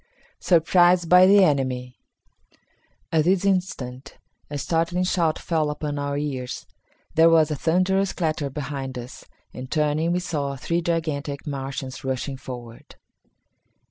Surprised by the Enemy. At this instant, a startling shout fell upon our ears. There was a thunderous clatter behind us, and, turning, we saw three gigantic Martians rushing forward.